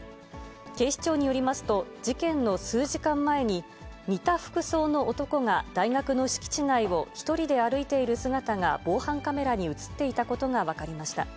警視庁によりますと、事件の数時間前に、似た服装の男が大学の敷地内を１人で歩いている姿が防犯カメラに写っていたことが分かりました。